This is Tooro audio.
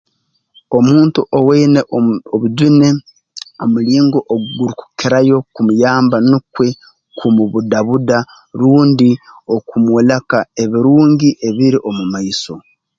Omuntu owaine om obujune omulingo ogurukukirayo kumuyamba nukwe kumubudabuda rundi okumwoleka ebirungi ebiri omu maiso